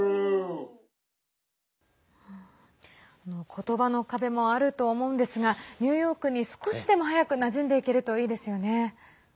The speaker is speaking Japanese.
ことばの壁もあるとは思うんですがニューヨークに少しでも早くなじんでいけるといいですよね。